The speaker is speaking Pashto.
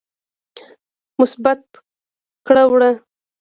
مثبت کړه وړه